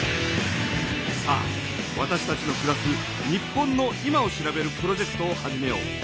さあわたしたちのくらす日本の今を調べるプロジェクトを始めよう。